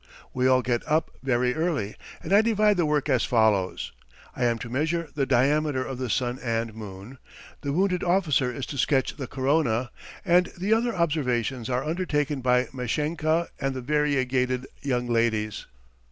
We all get up very early, and I divide the work as follows: I am to measure the diameter of the sun and moon; the wounded officer is to sketch the corona; and the other observations are undertaken by Mashenka and the variegated young ladies.